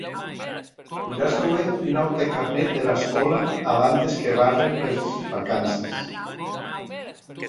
Poiràs auer un aute carnet dera escòla abantes que barren per vacances.